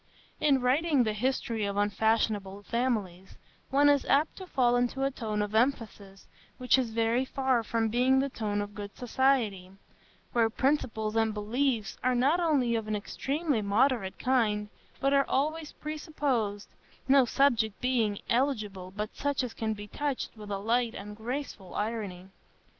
In writing the history of unfashionable families, one is apt to fall into a tone of emphasis which is very far from being the tone of good society, where principles and beliefs are not only of an extremely moderate kind, but are always presupposed, no subjects being eligible but such as can be touched with a light and graceful irony.